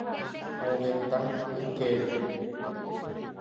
ovetã ykére